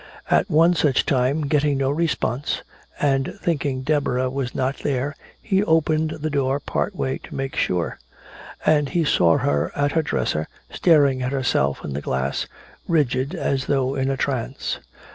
At one such time, getting no response and thinking Deborah was not there, he opened the door part way to make sure. And he saw her at her dresser, staring at herself in the glass, rigid as though in a trance.